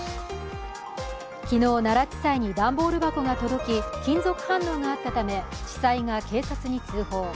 昨日、奈良地裁に段ボール箱が届き金属反応があったため地裁が警察に通報。